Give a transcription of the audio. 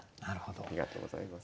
ありがとうございます。